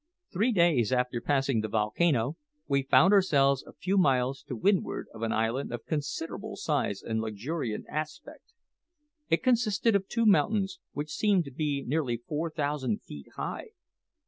Three days after passing the volcano, we found ourselves a few miles to windward of an island of considerable size and luxuriant aspect. It consisted of two mountains, which seemed to be nearly four thousand feet high.